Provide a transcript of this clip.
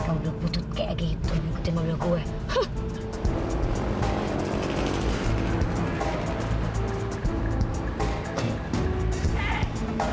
kalau udah putus kayak gitu ikutin dulu gua